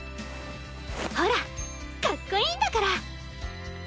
ほらかっこいいんだから。